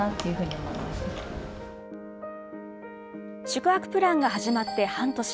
宿泊プランが始まって半年。